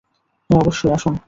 হ্যাঁ, অবশ্যই, আসুন।